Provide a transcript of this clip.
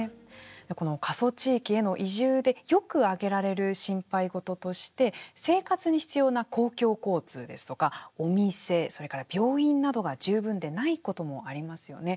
この過疎地域への移住でよく挙げられる心配事として生活に必要な公共交通ですとかお店、それから病院などが十分でないこともありますよね。